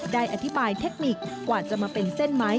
ได้อธิบายเทคนิคกว่าจะมาเป็นเส้นไม้